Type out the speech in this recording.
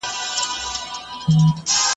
چي وژلی یې د بل لپاره قام وي .